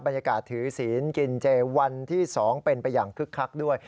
ถือศีลกินเจวันที่๒เป็นไปอย่างคึกคักด้วย